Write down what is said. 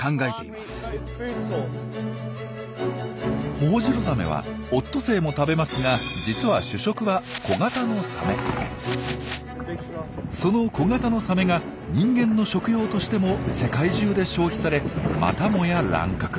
ホホジロザメはオットセイも食べますが実はその小型のサメが人間の食用としても世界中で消費されまたもや乱獲。